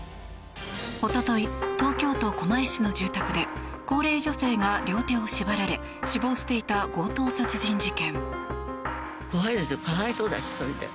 おととい、東京都狛江市の住宅で高齢女性が両手を縛られ死亡していた強盗殺人事件。